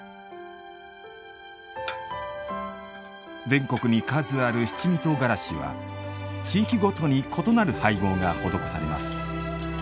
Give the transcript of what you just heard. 全国に数ある七味唐辛子は地域ごとに異なる配合が施されます。